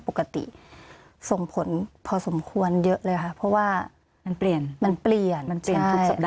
ปกติส่งผลพอสมควรเยอะเลยค่ะเพราะว่ามันเปลี่ยนมันเปลี่ยน